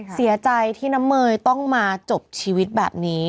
เสียใจที่น้ำเมย์ต้องมาจบชีวิตแบบนี้